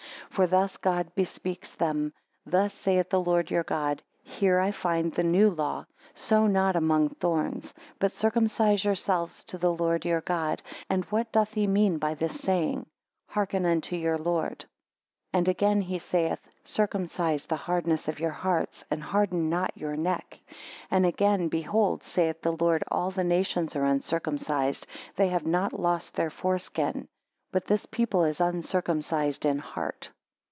For thus God bespeaks them; Thus saith the Lord your God, (Here I find the new law) Sow not among thorns; but circumcise yourselves to the Lord your God. And what doth he mean by this saying? Hearken unto your Lord. 8 And again he saith, Circumcise the hardness of your heart, and harden not your neck. And again, Behold, saith the Lord, all the nations are uncircumcised, (they have not lost their fore skin): but this people is uncircumcised in heart.